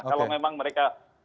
kalau memang mereka